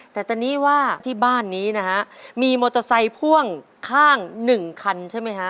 แต่ตอนนี้ว่าที่บ้านนี้นะฮะมีมอเตอร์ไซค์พ่วงข้างหนึ่งคันใช่ไหมฮะ